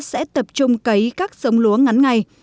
sẽ tập trung cấy các giống lúa ngắn ngày